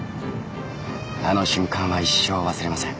あの瞬間は一生忘れません。